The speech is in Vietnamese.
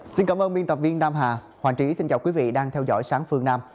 xin cảm ơn biên tập viên nam hà hoàng trí xin chào quý vị đang theo dõi sáng phương nam